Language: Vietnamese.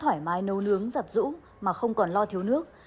thoải mái nấu nướng giặt rũ mà không còn lo thiếu nước